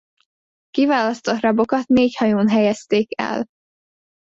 A kiválasztott rabokat négy hajón helyezték el.